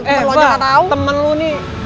eh pak temen lo nih